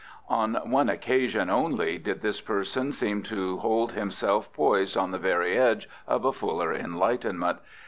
On one occasion only did this person seem to hold himself poised on the very edge of a fuller enlightenment.